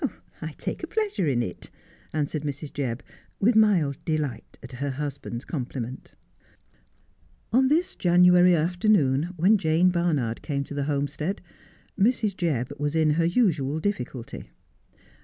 ' I take a pleasure in it,' answered Mrs. Jebb, with mild delight at her husband's compliment. On this January afternoon, when Jane Barnard came to the Homestead, Mrs. Jebb was in her usual difficulty.